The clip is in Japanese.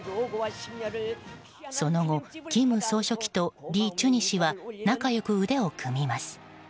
その後、金総書記とリ・チュニ氏は仲良く腕を組みます。